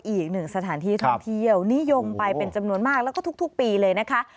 อีกหนึ่งสถานที่ท่องเที่ยวนิยมไปเป็นจำนวนมากแล้วก็ทุกปีเลยนะคะ